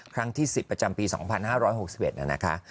ครั้งที่๑๐ประจำปี๒๕๖๑นะคะ